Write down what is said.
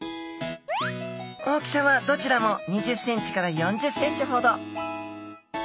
大きさはどちらも２０センチから４０センチほど。